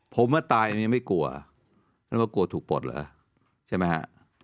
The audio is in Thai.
ผมเมื่อตายยังไม่กลัวกลัวถูกปลดเหรอใช่ไหมฮะ